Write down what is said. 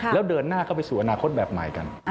แล้วเดินหน้าเข้าไปสู่อนาคตแบบใหม่กัน